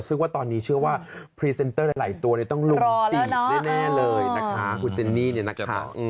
ซึ่งตอนนี้เชื่อว่าคุณพรีเซนเตอร์หลายตัวเนี่ยต้องรุมฝีดได้แน่เลยนะคะคุณเจนต์นี้นะคะ